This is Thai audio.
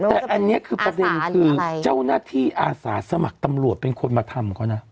แต่อันนี้คือประเด็นคือเจ้าหน้าที่อาสาสมัครตำรวจเป็นคนมาทำเขานะ